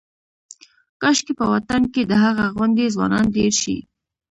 کاشکې په وطن کې د هغه غوندې ځوانان ډېر شي.